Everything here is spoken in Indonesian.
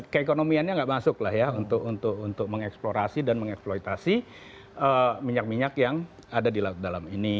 keekonomiannya nggak masuk lah ya untuk mengeksplorasi dan mengeksploitasi minyak minyak yang ada di laut dalam ini